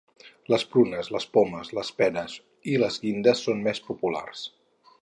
Les prunes, les pomes, les peres i les guindes són més populars.